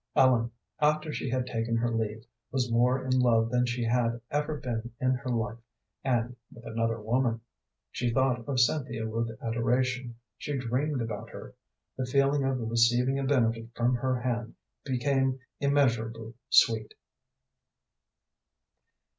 Ellen, after she had taken her leave, was more in love than she had ever been in her life, and with another woman. She thought of Cynthia with adoration; she dreamed about her; the feeling of receiving a benefit from her hand became immeasurably sweet.